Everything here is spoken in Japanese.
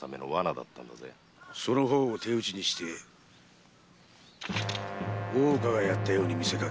その方を手討ちにして大岡がやったように見せかける。